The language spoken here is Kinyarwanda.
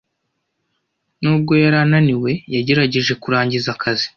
Nubwo yari ananiwe, yagerageje kurangiza akazi.